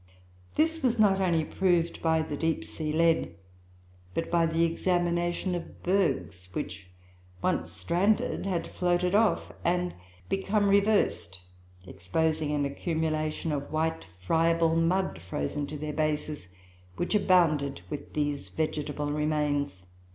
This was not only proved by the deep sea lead, but by the examination of bergs which, once stranded, had floated off and become reversed, exposing an accumulation of white friable mud frozen to their bases, which abounded with these vegetable remains."